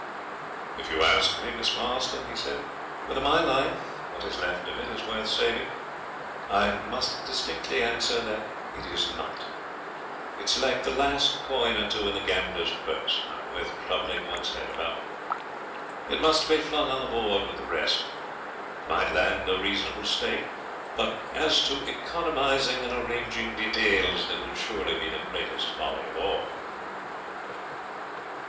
'If you ask me, Miss Marston,' he said, 'whether my life what is left of it is worth saving, I must distinctly answer that it is not. It is like the last coin or two in the gambler's purse, not worth troubling one's head about. It must be flung on the board with the rest. It might land a reasonable stake. But as to economising and arranging details that would surely be the greatest folly of all.'